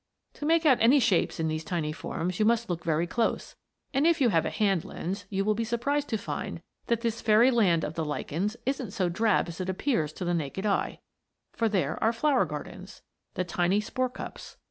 To make out any shapes in these tiny forms, you must look very close; and if you have a hand lens you will be surprised to find that this fairy land of the lichens isn't so drab as it seems to the naked eye. For there are flower gardens the tiny spore cups.